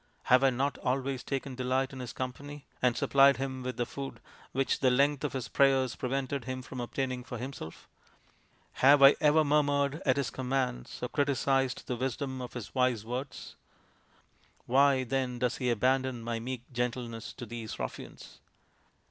" Have I not always taken delight in his company, and supplied him with the food which the length of his prayers prevented him from obtaining for himself ? Have I ever murmured 208 THE INDIAN STORY BOOK commands or criticised the wisdom of his wise Words ? Why, then, does he abandon my meek geptjteness to these ruffians